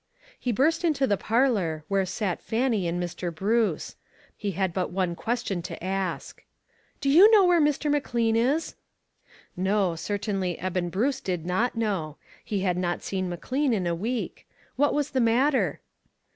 He burst into the parlor, where sat Fan nie and Mr. Bruce. He had but one ques tion to ask :" Do you know where Mr. McLean is ?"" No. Certainly Eben Bruce did not know. He had not seen McLean in a week. What was the matter?"